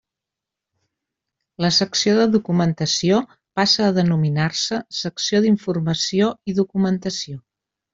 La Secció de Documentació passa a denominar-se Secció d'Informació i Documentació.